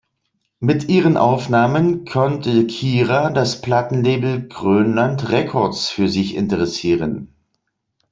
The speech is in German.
Mit ihren Aufnahmen konnte Kira das Plattenlabel Grönland Records für sich interessieren.